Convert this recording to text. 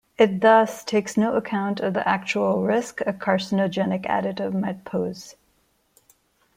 It thus takes no account of the actual risk a carcinogenic additive might pose.